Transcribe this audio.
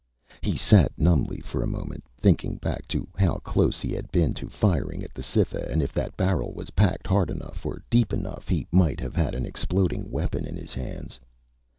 He sat numbly for a moment, thinking back to how close he had been to firing at the Cytha, and if that barrel was packed hard enough or deep enough, he might have had an exploding weapon in his hands.